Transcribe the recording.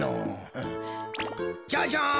ジャジャン！